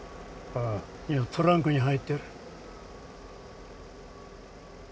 ああ今トランクに入ってる。